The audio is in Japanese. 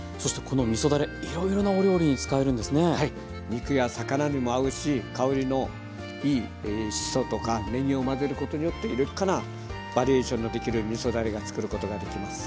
肉や魚にも合うし香りのいいしそとかねぎを混ぜることによって豊かなバリエーションのできるみそだれが作ることができます。